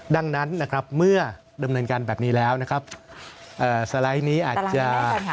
ดังนั้นนะครับเมื่อดำเนินการแบบนี้แล้วนะครับสไลด์นี้อาจจะ